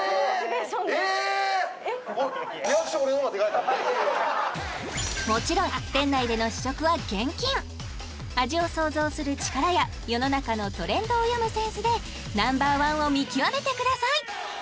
いやいやいやもちろん店内での試食は厳禁味を想像する力や世の中のトレンドを読むセンスでＮｏ．１を見極めてください